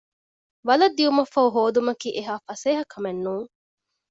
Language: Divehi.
ވަލަށް ދިޔުމަށްފަހު ހޯދުމަކީ އެހާ ފަސޭހަކަމެއްނޫން